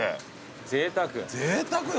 ぜいたく。